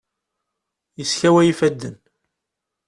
Yeskaway ifaden.